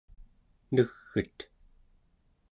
neg'et